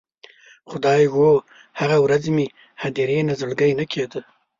خدایږو، هغه ورځ مې هدیرې نه زړګی نه کیده